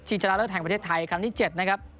ชนะเลิศแห่งประเทศไทยครั้งที่๗นะครับ